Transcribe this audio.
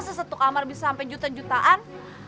sesatu kamar bisa sampai jutaan jutaan